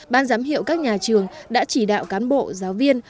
ban giám hiệu các nhà trường đã chỉ đạo cán bộ giáo viên